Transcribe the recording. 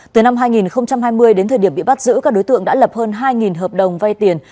từ năm hai nghìn hai mươi đến thời điểm bị bắt giữ các đối tượng đã lập hơn hai hợp đồng vay tiền